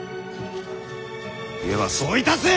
ではそういたす！